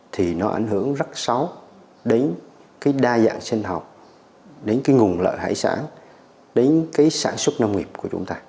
thì nó ảnh hưởng rất sáu đến cái đa dạng sinh học đến cái nguồn lợi hải sản đến cái sản xuất nông nghiệp của chúng ta